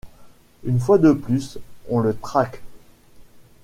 Une fois de plus, on le traque.